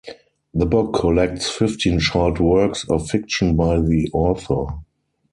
The book collects fifteen short works of fiction by the author.